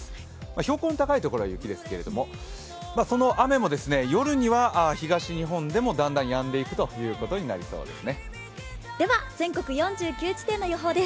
標高の高いところは雪ですけれども、その雨も夜には東日本でもだんだんやんでいくということになりそうですね。